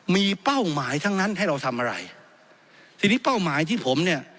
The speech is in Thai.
มีเป้าหมายทั้งนั้นให้เราทำอะไรทีนี้เป้าหมายที่ผมเนี่ย